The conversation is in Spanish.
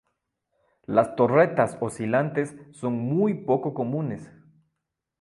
Las torretas oscilantes son muy poco comunes.